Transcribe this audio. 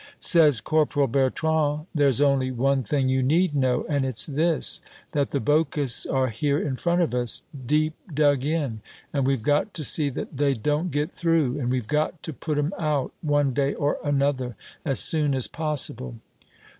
Says Corporal Bertrand, "There's only one thing you need know, and it's this; that the Boches are here in front of us, deep dug in, and we've got to see that they don't get through, and we've got to put 'em out, one day or another as soon as possible."